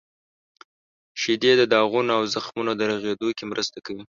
• شیدې د داغونو او زخمونو د رغیدو کې مرسته کوي.